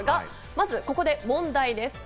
まずここで問題です。